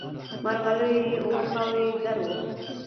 مرغلري یې اوبه خاوره یې زر وه